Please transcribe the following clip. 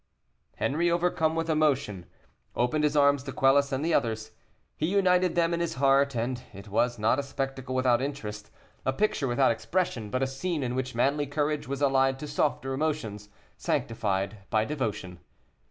Henri, overcome with emotion, opened his arms to Quelus and the others. He united them in his heart; and it was not a spectacle without interest, a picture without expression, but a scene in which manly courage was allied to softer emotions, sanctified by devotion.